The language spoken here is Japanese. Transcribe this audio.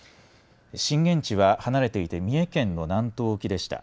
震源地は離れていて、三重県の南東沖でした。